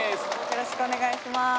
よろしくお願いします